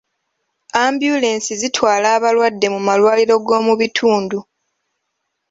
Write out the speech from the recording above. Ambyulensi zitwala abalwadde mu malwaliro go mu bitundu.